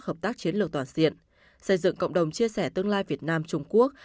hợp tác chiến lược toàn diện xây dựng cộng đồng chia sẻ tương lai việt nam trung quốc